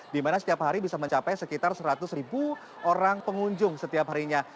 di mana setiap hari bisa mencapai sekitar seratus ribu orang pengunjung setiap harinya